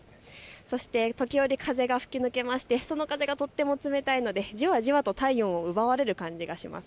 そして時折、風が吹き抜けましてその風がとても冷たいのでじわじわと体温を奪われる感じがします。